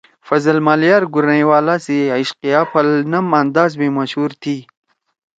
فضل مالیار گورنئی والا سی عشقیہ پھل نم انداز می مشہور تھی۔